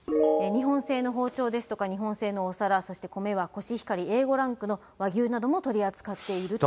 日本製の包丁ですとか日本製のお皿、そして米はコシヒカリ、Ａ５ランクの和牛なども取り扱っていると。